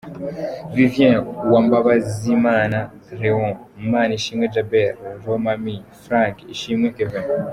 Vivien, Uwambazimana Leon, Manishimwe Djabel, Lomami Frank, Ishimwe Kevin.